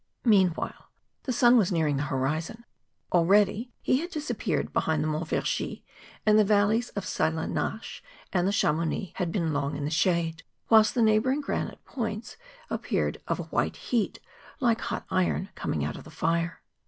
^Meanwhile the sun was nearing the horizon; already he had disappeared behind the Monts Vergy, and the valleys of Sallanche and of Chamounix had been long in the shade, whilst the neighbouring granite points appeared of a white heat like hot iron coming out of the fire.